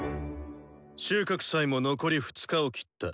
収穫祭も残り２日を切った。